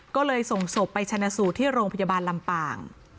ก็เลยส่งศพไปชนะสูตรที่โรงพยาบาลลำปาง